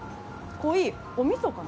濃い、おみそかな？